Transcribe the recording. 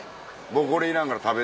僕これいらんから食べ。